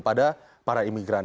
pada para imigran